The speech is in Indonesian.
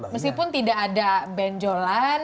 meskipun tidak ada benjolan